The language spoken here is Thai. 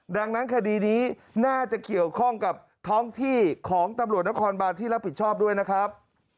ดังนั้นคดีนี้น่าจะเกี่ยวข้องกับท้องที่ของตำรวจนครบานที่รับผิดชอบด้วยนะครับ